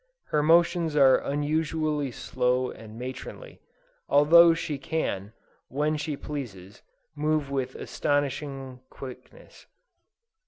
Her motions are usually slow and matronly, although she can, when she pleases, move with astonishing quickness.